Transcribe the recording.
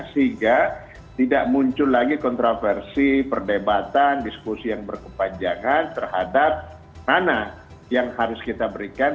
sehingga tidak muncul lagi kontroversi perdebatan diskusi yang berkepanjangan terhadap mana yang harus kita berikan